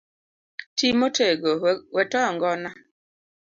Ti motego, we toyo ngona